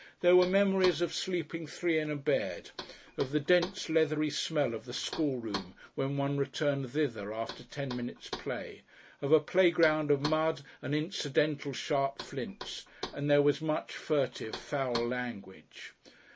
There were memories of sleeping three in a bed, of the dense leathery smell of the schoolroom when one returned thither after ten minutes' play, of a playground of mud and incidental sharp flints. And there was much furtive foul language.